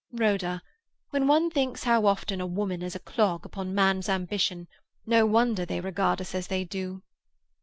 Rhoda, when one thinks how often a woman is a clog upon a man's ambition, no wonder they regard us as they do."